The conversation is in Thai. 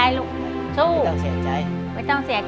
หนูรู้สึกดีมากเลยค่ะ